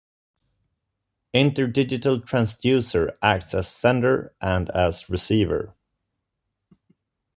Interdigital transducer acts as sender and as receiver.